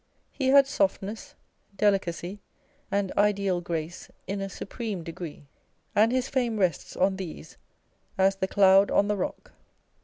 He had softness, delicacy, and ideal grace in a supreme degree, and his fame rests on these as the cloud on the rock.